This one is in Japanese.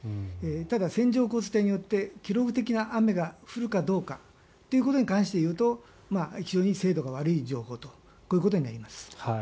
ただ、線状降水帯によって記録的な雨が降るかどうかということに関していうと非常に精度が悪い情報ということになります。